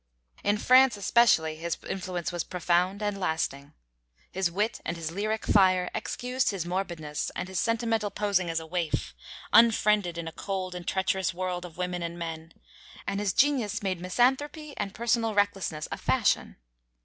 In France especially his influence was profound and lasting. His wit and his lyric fire excused his morbidness and his sentimental posing as a waif, unfriended in a cold and treacherous world of women and men; and his genius made misanthropy and personal recklessness a fashion.